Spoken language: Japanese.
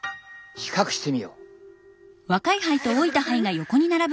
比較してみよう。